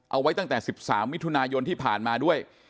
เอาไว้ตั้งแต่๑๓มิถุนายนที่ผ่านมาด้วย